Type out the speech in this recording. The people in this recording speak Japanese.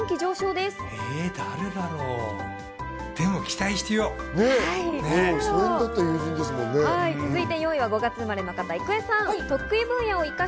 でも期待していよ４位は５月生まれの方、郁恵さん。